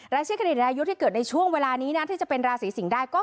และตื่นใดและยุทฯเกิดในช่วงเวลานี้นะที่จะเป็นราศีสิงฯได้ก็